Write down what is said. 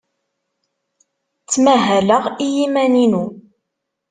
Ttmahaleɣ i yiman-inu.